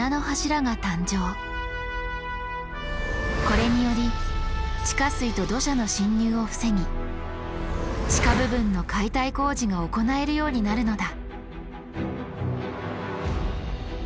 これにより地下水と土砂の侵入を防ぎ地下部分の解体工事が行えるようになるのだ。